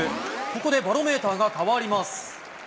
ここでバロメーターが変わります。